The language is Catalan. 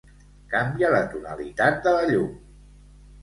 Canvia la tonalitat de la llum.